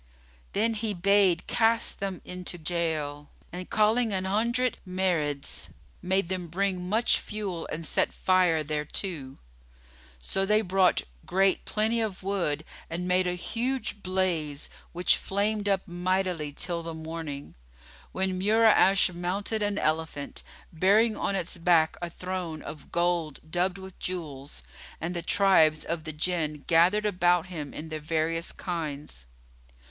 Then he bade cast them into gaol; and, calling an hundred Marids, made them bring much fuel and set fire thereto. So they brought great plenty of wood and made a huge blaze, which flamed up mightily till the morning, when Mura'ash mounted an elephant, bearing on its back a throne of gold dubbed with jewels, and the tribes of the Jinn gathered about him in their various kinds.